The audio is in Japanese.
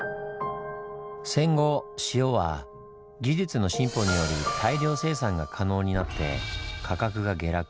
戦後塩は技術の進歩により大量生産が可能になって価格が下落。